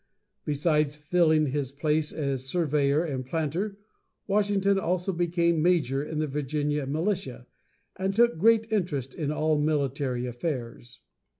Besides filling his place as surveyor and planter, Washington also became major in the Virginia militia, and took great interest in all military affairs.